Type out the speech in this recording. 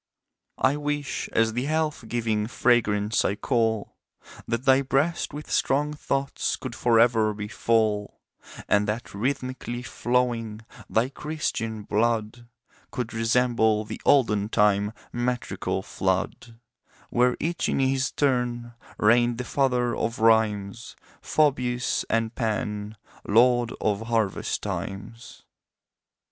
I wish, as the health giving fragrance I cull, That thy breast with strong thoughts could for ever be full, And that rhymthmic'ly flowing thy Christian blood Could resemble the olden time metrical flood, Where each in his turn reigned the father of Rhymes Phoebus and Pan, lord of Harvest times.